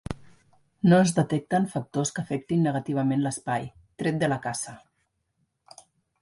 No es detecten factors que afectin negativament l'espai, tret de la caça.